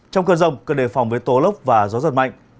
trong cơn rông cần đề phòng với tố lốc và gió giật mạnh